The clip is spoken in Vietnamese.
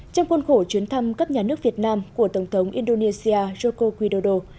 trong cuốn khổ chuyến thăm các nhà nước việt nam của tổng thống indonesia joko widodo